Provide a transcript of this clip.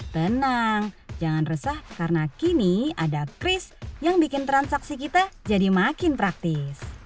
tenang jangan resah karena kini ada kris yang bikin transaksi kita jadi makin praktis